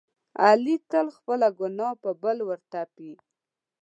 علي تل خپله ګناه په بل ورتپي.